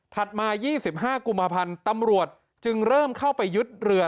มา๒๕กุมภาพันธ์ตำรวจจึงเริ่มเข้าไปยึดเรือ